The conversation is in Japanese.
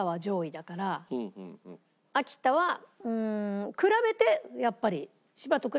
秋田は比べてやっぱり。